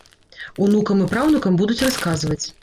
Унукам і праўнукам будуць расказваць.